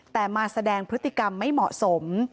แต่มาแสดงพฤติกรรมไม่เหมาะสม